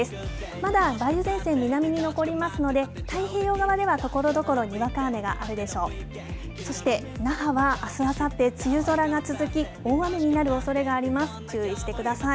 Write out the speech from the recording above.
まだ梅雨前線、南に残りますので、太平洋側ではところどころ、にわか雨があるでしょう。